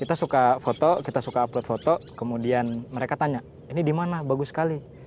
kita suka foto kita suka upload foto kemudian mereka tanya ini di mana bagus sekali